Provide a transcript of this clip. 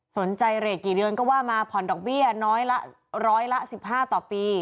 สนใจเรทกี่เดือนก็ว่ามาผ่อนดอกเบี้ยน้อยละร้อยละ๑๕ต่อปี